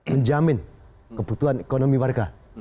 menjamin kebutuhan ekonomi warga